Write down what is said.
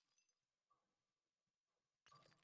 آزادیء اظہارپہ کوئی پہرا نہیں ہے۔